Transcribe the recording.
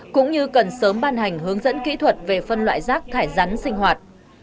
cũng như cần sớm ban hành hướng dẫn kỹ thuật về phân loại rác thải rắn sinh hoạt